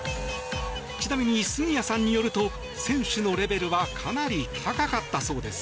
ちなみに杉谷さんによると選手のレベルはかなり高かったそうです。